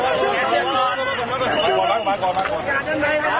โปรดติดตามต่อไป